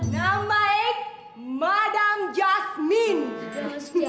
namaik madam jasmine